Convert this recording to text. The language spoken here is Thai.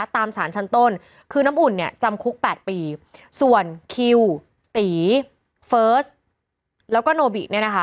ตามสารชั้นต้นคือน้ำอุ่นเนี่ยจำคุก๘ปีส่วนคิวตีเฟิร์สแล้วก็โนบิเนี่ยนะคะ